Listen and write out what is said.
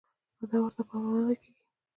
دا ورته پاملرنه کېږي.